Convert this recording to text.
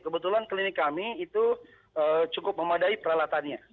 kebetulan klinik kami itu cukup memadai peralatannya